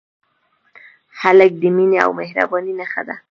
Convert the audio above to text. هلک د مینې او مهربانۍ نښه ده.